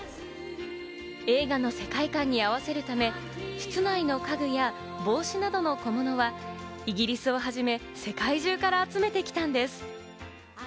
映画の世界観に合わせるため、室内の家具や帽子などの小物はイギリスをはじめ、世界中から集めてきたんです。